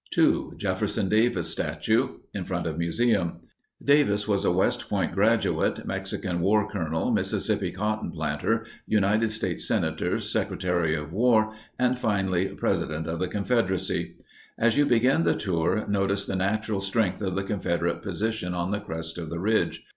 2. JEFFERSON DAVIS STATUE. (in front of museum) Davis was a West Point graduate, Mexican War colonel, Mississippi cotton planter, United States Senator, Secretary of War, and, finally, President of the Confederacy. As you begin the tour, notice the natural strength of the Confederate position on the crest of the ridge.